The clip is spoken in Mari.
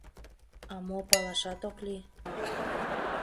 А мо палашат ок лий.